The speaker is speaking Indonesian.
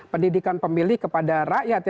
pendidikan pemilih kepada rakyat